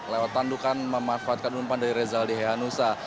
lewat tandukan memanfaatkan umpan dari rezaldi hehanusa